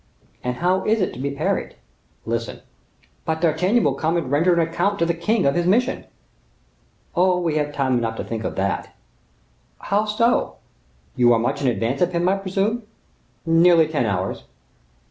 "And how is it to be parried?" "Listen." "But D'Artagnan will come and render an account to the king of his mission." "Oh, we have time enough to think about that." "How so? You are much in advance of him, I presume?" "Nearly ten hours."